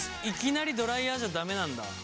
いきなりドライヤーじゃ駄目なんだ。